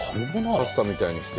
パスタみたいにして。